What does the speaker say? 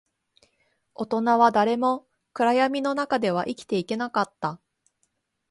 大人は誰も暗闇の中では生きていけなかった